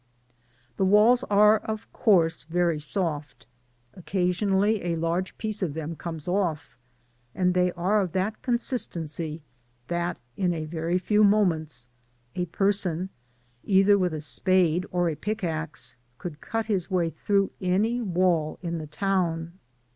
The walk are of couf^^ very arft ; occasiopally a large piece of them coines off, and they are c^ that consistency, that, in a very few moments, a person, isither with a spade or a pick axe, could cut his way through ftny wall in the town.